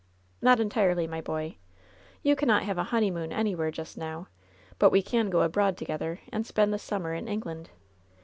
"Not entirely, my boy. You cannot have a honey moon anywhere just now. But we can go abroad to gether, and spend the summer in England.